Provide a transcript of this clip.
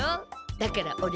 だからお礼。